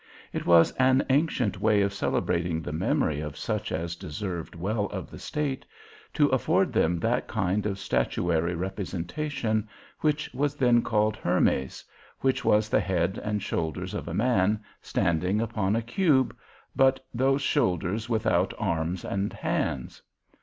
It was an ancient way of celebrating the memory of such as deserved well of the state, to afford them that kind of statuary representation, which was then called Hermes, which was the head and shoulders of a man standing upon a cube, but those shoulders without arms and hands.